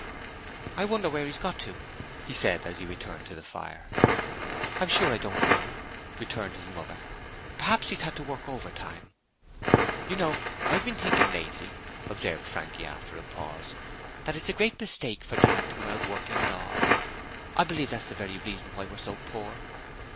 'I wonder wherever he's got to,' he said, as he returned to the fire. 'I'm sure I don't know,' returned his mother. 'Perhaps he's had to work overtime.' 'You know, I've been thinking lately,' observed Frankie, after a pause, 'that it's a great mistake for Dad to go out working at all. I believe that's the very reason why we're so poor.'